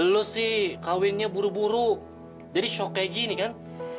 lu sih kawinnya buru buru jadi shock kayak gini kan